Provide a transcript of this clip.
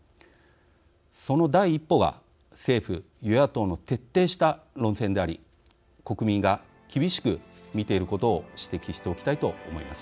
その第１歩が政府、与野党の徹底した論戦であり国民が厳しく見ていることを指摘しておきたいと思います。